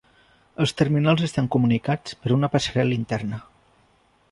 Els terminals estan comunicats per una passarel·la interna.